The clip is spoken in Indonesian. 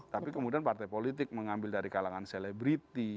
tapi kemudian partai politik mengambil dari kalangan selebriti